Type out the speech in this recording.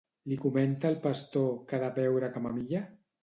Li comenta el pastor que ha de beure camamilla?